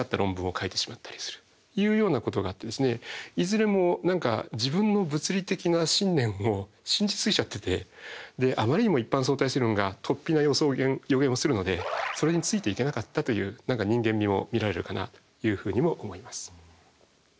いうようなことがあっていずれも何か自分の物理的な信念を信じすぎちゃっててあまりにも一般相対性理論が突飛な予言をするのでそれについていけなかったという何か人間味も見られるかなというふうにも思います。